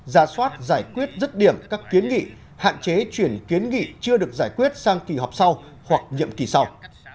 ra soát giải quyết rứt điểm các kiến nghị hạn chế chuyển kiến nghị chưa được giải quyết sang kỳ họp sau hoặc nhiệm kỳ sau